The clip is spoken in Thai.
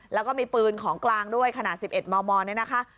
แล้วก็มีปืนของกลางด้วยขนาด๑๑มมเนี่ยนะคะ